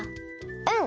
うん！